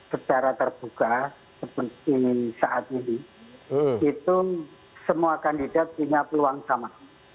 secara terbuka seperti saat ini itu semua kandidat punya peluang sama